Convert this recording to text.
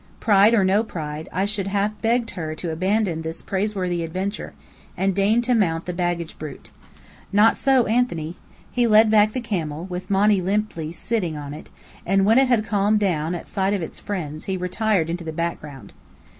Pride or no pride, I should have begged her to abandon this praiseworthy adventure, and deign to mount the baggage brute. Not so Anthony. He led back the camel, with Monny limply sitting on it, and when it had calmed down at sight of its friends he retired into the background.